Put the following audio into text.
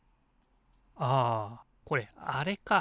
あこれあれか。